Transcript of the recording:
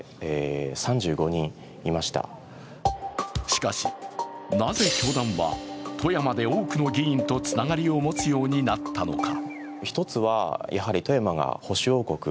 しかし、なぜ教団は富山で多くの議員とつながりを持つようになったのか。